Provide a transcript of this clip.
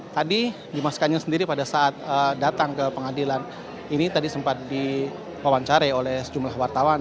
tadi dimas kanjeng sendiri pada saat datang ke pengadilan ini tadi sempat diwawancari oleh sejumlah wartawan